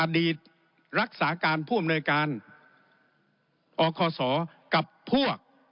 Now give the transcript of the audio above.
รักษาการผู้อำนวยการอคศกับพวก